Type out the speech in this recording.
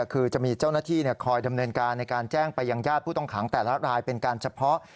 คือจะมีเจ้าหน้าที่คอยดำเนินการในการแจ้งไปยังญาติผู้ต้องขังแต่ละรายเป็นการเฉพาะ